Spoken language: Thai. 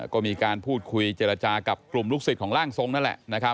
ก็มีการพูดคุยเจรจากับกลุ่มลูกศิษย์ของร่างทรงนั่นแหละ